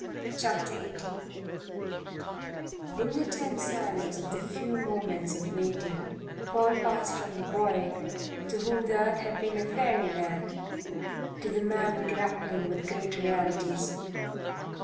CHAPTER XVIII IN the tense silence of the few moments of waiting Paul passed from the boy to whom the earth had been a fairyland to the man grappling with great realities.